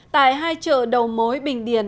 tại hai chợ đầu mối bình điền